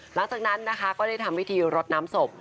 หลังจากนั้นนะคะก็ได้ทำพิธีรดน้ำศพ